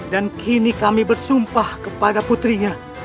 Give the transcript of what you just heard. dan kini kami bersumpah kepada putrinya